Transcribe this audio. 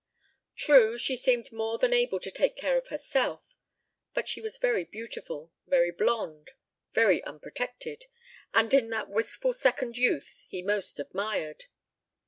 True, she seemed more than able to take care of herself, but she was very beautiful, very blonde, very unprotected, and in that wistful second youth he most admired.